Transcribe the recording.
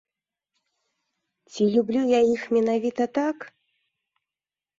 Ці люблю я іх менавіта так?